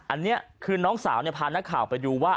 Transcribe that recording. อันนี้คือน้องสาวพานักข่าวไปดูว่า